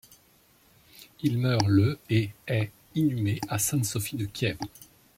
Il meurt le et est inhumé à Sainte-Sophie de Kiev.